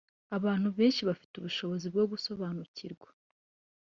Abantu benshi bafite ubushobozi bwo gusobanukirwa